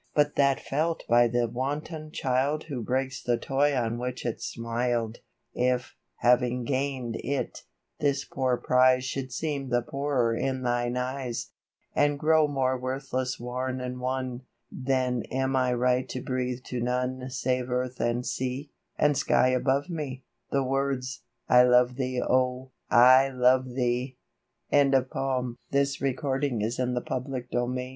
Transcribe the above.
But that felt by the wanton child Who breaks the toy on which it smiled ; If, having gain'd it, this poor prize Should seem the poorer in thine eyes, And grow more worthless worn and won, — Then am I right to breathe to none Save Earth and Sea, and Sky above me, The words, " I love thee, oh ! I love theeT^ .^pi)